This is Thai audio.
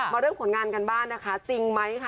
เรื่องผลงานกันบ้างนะคะจริงไหมค่ะ